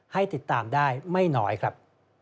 ให้ติดตามได้ไม่น้อยครับ